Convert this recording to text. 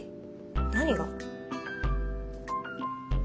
何が？